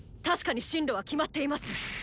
確かに進路は決まっています。